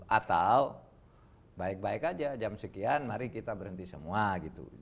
atau baik baik aja jam sekian mari kita berhenti semua gitu